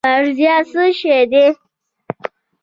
فرضیه څه شی دی؟